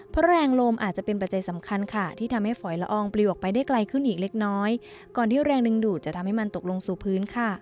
เพราะแรงลมอาจจะเป็นปัจจัยสำคัญค่ะที่ทำให้ฝอยละอองปลิวออกไปได้ไกลขึ้นอีกเล็กน้อยก่อนที่แรงดึงดูดจะทำให้มันตกลงสู่พื้นค่ะ